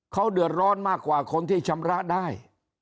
เขาเดือดร้อนมากกว่าคนที่ชำระได้